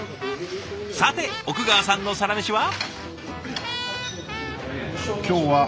さて奥川さんのサラメシは？